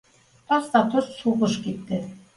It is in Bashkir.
Тас та тос һуғыш китте.